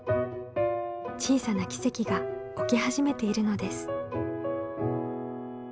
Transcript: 小さな奇跡が起き始めているのです。